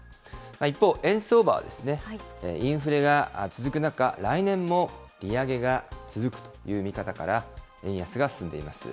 一方、円相場はですね、インフレが続く中、来年も利上げが続くという見方から、円安が進んでいます。